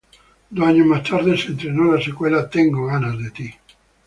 Dos años más tarde se estrenó la secuela:"Tengo ganas de ti".